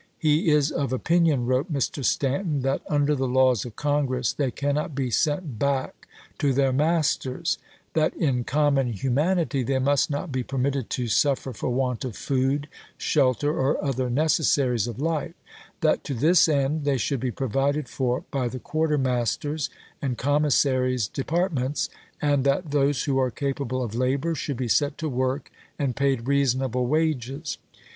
"He is of opinion," wrote Mr. Stanton, "that under the laws of Congress they cannot be sent back to their masters ; that in common humanity they must not be permitted to suffer for want of food, shelter, or other necessaries of life ; that to this end they should be provided for by the quartermaster's and commissary's de partments, and that those who are capable of labor should be set to work and paid reasonable wages.